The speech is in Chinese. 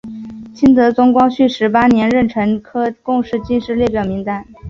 清德宗光绪十八年壬辰科贡士进士列表名单。